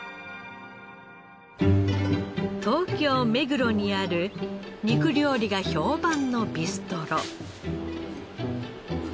東京目黒にある肉料理が評判のビストロ。